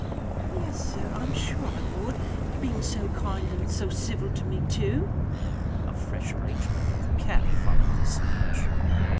"Yes, Sir, I'm sure I would! being so kind and so civil to me, too!" (a fresh arrangement of the cap followed this speech.)